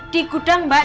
di gudang mbak